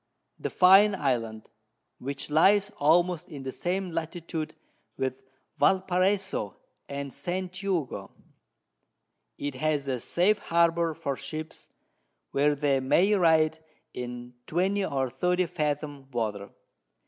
The Fine Island, which lies almost in the same Latitude with Val Paraiso and St. Jugo: It has a safe Harbour for Ships, where they may ride in 20 or 30 Fathom Water.